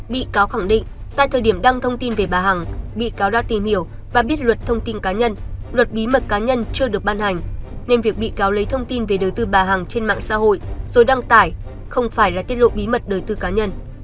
bị cáo khẳng định tại thời điểm đăng thông tin về bà hằng bị cáo đã tìm hiểu và biết luật thông tin cá nhân luật bí mật cá nhân chưa được ban hành nên việc bị cáo lấy thông tin về đời tư bà hằng trên mạng xã hội rồi đăng tải không phải là tiết lộ bí mật đời tư cá nhân